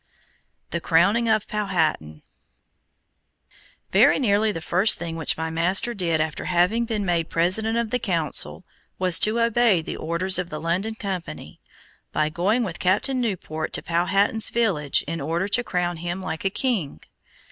THE CROWNING OF POWHATAN Very nearly the first thing which my master did after having been made President of the Council, was to obey the orders of the London Company, by going with Captain Newport to Powhatan's village in order to crown him like a king.